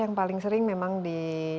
yang paling sering memang di